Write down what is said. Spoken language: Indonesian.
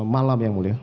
malam yang mulia